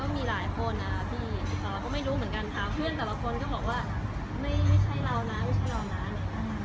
มีมากว่าหนูได้ฝูกศาสนทีอะไรบ้างรู้กับพี่ทางเพื่อนก็ไม่รู้